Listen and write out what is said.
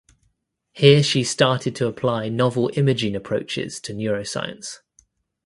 Here she started to apply novel imaging approaches to neuroscience.